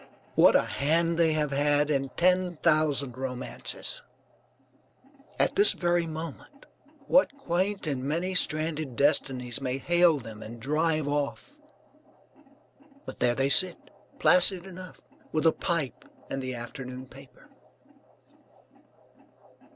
What a hand they have had in ten thousand romances. At this very moment, what quaint and many stranded destinies may hail them and drive off? But there they sit, placid enough, with a pipe and the afternoon paper.